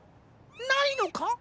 ないのか？